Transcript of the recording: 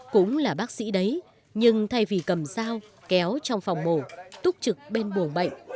cũng là bác sĩ đấy nhưng thay vì cầm dao kéo trong phòng mổ túc trực bên buồng bệnh